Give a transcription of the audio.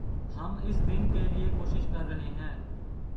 ہم اس دن کے لئے کوشش کررہے ہیں